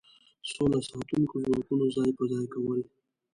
سوله ساتونکو ځواکونو ځای په ځای کول.